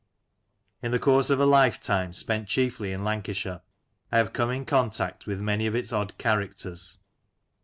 In the course of a life time, spent chiefly in Lancashire, I have come in contact with many of its odd characters.